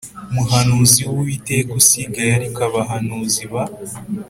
muhanuzi w Uwiteka usigaye ariko abahanuzi ba